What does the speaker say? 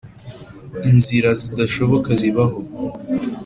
inzira zidashoboka zibaho!